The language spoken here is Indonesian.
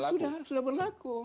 sudah sudah berlaku